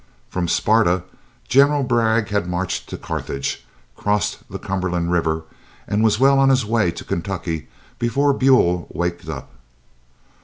From Sparta General Bragg had marched to Carthage, crossed the Cumberland River, and was well on his way to Kentucky before Buell waked up.